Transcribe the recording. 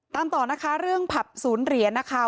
ตามต่อนะคะเรื่องผับศูนย์เหรียญนะคะ